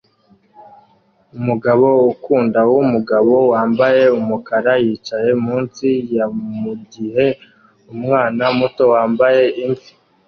Umugabo ukundawumugabo wambaye umukara yicaye munsi yamugihe umwana muto wambaye imvi